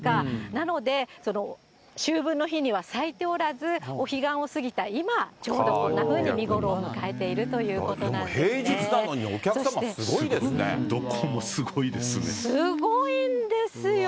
なので秋分の日には咲いておらず、お彼岸を過ぎた今、ちょうどこんなふうに見頃を迎えているというでも平日なのに、お客様すごすごいんですよ。